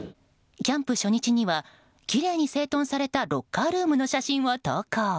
キャンプ初日にはきれいに整頓されたロッカーロームの写真を投稿。